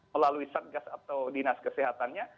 melalui satgas atau dinas kesehatannya